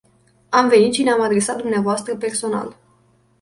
Am venit și ne-am adresat dvs. personal.